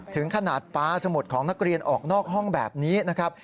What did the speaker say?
ถึงขนาดปลาสมุดของนักเรียนออกนอกห้องแบบนี้นะครับ